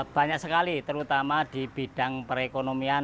banyak sekali terutama di bidang perekonomian